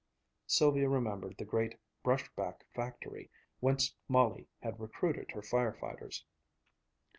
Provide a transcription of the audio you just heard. (Sylvia remembered the great "brush back factory" whence Molly had recruited her fire fighters.)